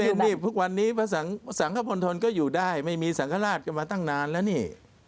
ไม่เห็นจำเป็นพรุ่งวันนี้สังฆพลธรรมก็อยู่ได้ไม่มีสังฆราชก็มาตั้งนานแล้วนี่